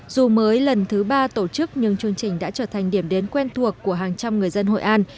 dù mới lần thứ ba tổ chức nhưng chương trình đã trở thành điểm đến quen thuộc của hàng trăm người dân hội an